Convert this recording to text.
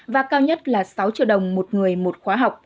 và cao nhất là sáu triệu đồng một người một khóa học